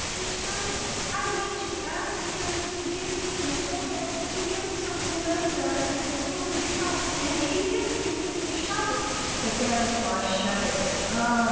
"The shovel. I went to ask him to give me a soldo to get some polenta at the corner shop, and he hit me with the shovel." The Gadfly shuddered. "Ah!"